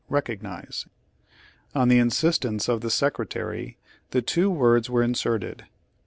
Page Eighty nine "recognize," On the insistence of the Secretary, the two words were inserted.